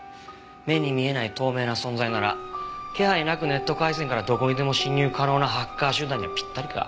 目に見えない透明な存在なら気配なくネット回線からどこにでも侵入可能なハッカー集団にはぴったりか。